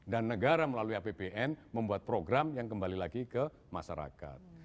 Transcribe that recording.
dan negara melalui apbn membuat program yang kembali lagi ke masyarakat